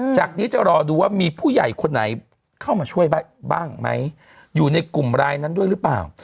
จากนี้จะรอดูว่ามีผู้ใหญ่คนไหนเข้ามาช่วยบ้างไหมอยู่ในกลุ่มรายนั้นด้วยหรือเปล่า